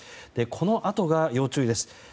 このあとが要注意です。